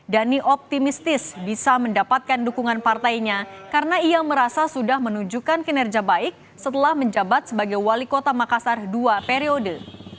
dhani optimistis bisa mendapatkan dukungan partainya karena ia merasa sudah menunjukkan kinerja baik setelah menjabat sebagai wali kota makassar dua periode